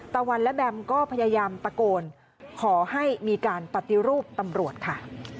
ตะวันและแบมก็พยายามตะโกนขอให้มีการปฏิรูปตำรวจค่ะ